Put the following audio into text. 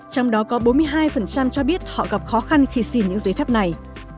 trong đó có bốn mươi hai cho biết họ gặp khó khăn khi xin những giấy phép này